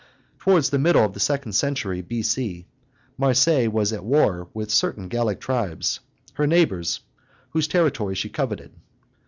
Towards the middle of the second century B.C. Marseilles was at war with certain Gallic tribes, her neighbors, whose territory she coveted.